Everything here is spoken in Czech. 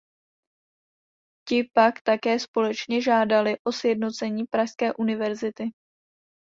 Ti pak také společně žádali o sjednocení pražské univerzity.